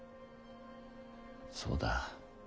そうだ。